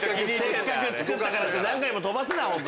せっかく作ったからって何回も飛ばすな！